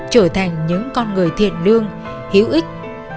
trở thành những con người thiệt lương hữu ích